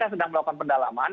ppatk sedang melakukan pendalaman